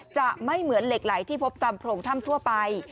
จะไม่เหมือนเหล็กไหลที่พบตามโพรงถ้ำทั่วไป